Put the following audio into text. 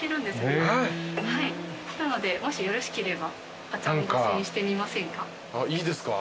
なのでもしよろしければご試飲してみませんか？いいですか？